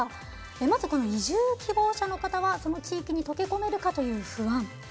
まず移住希望者の方は地域に溶け込めるかという不安。